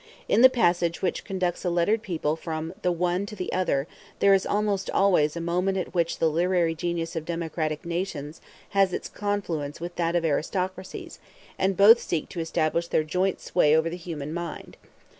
In the passage which conducts a lettered people from the one to the other, there is almost always a moment at which the literary genius of democratic nations has its confluence with that of aristocracies, and both seek to establish their joint sway over the human mind.